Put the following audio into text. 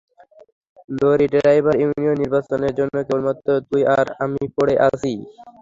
Lorry driver union নির্বাচনের জন্য কেবলমাত্র তুই আর আমি পড়ে আছি।